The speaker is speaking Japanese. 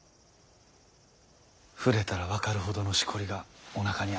触れたら分かるほどのしこりがおなかにある。